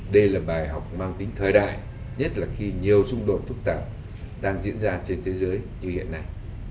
đây là bài học mang tính thời đại nhất là khi nhiều xung đột phức tạp đang diễn ra trên thế giới như hiện nay